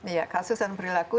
iya kasus dan perilaku